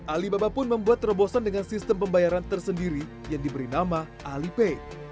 alibaba pun membuat terobosan dengan sistem pembayaran tersendiri yang diberi nama alipay